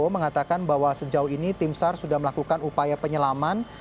mengatakan bahwa sejauh ini timsar sudah melakukan upaya penyelaman